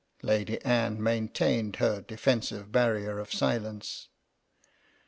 Lady Anne maintained her defensive barrier of silence.